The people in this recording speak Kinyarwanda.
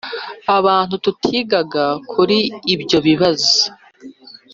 abantu tutigaga kuri ibyo bibazo